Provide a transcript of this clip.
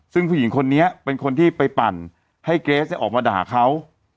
ซึ่งผู้หญิงคนนี้เป็นคนที่ไปปั่นให้เกรสออกมาด่าเขา